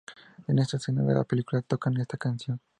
En esa escena de la película tocan esta canción.